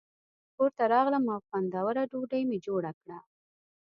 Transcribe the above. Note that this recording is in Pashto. کور ته راغلم او خوندوره ډوډۍ مې جوړه کړه.